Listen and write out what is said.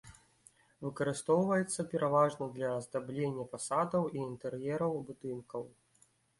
Выкарыстоўваецца пераважна для аздаблення фасадаў і інтэр'ераў будынкаў.